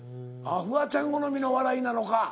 フワちゃん好みの笑いなのか。